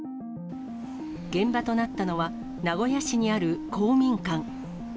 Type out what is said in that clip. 現場となったのは、名古屋市にある公民館。